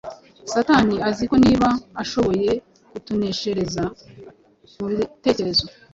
Satani azi ko niba ashoboye kutuneshereza mu bitekerezo,